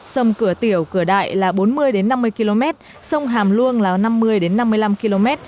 sông cửa tiểu cửa đại là bốn mươi năm mươi km sông hàm luông là năm mươi năm mươi năm km